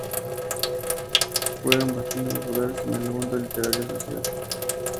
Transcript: Fueron bastante populares en el mundo literario y social de Boston.